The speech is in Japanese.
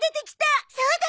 そうだ！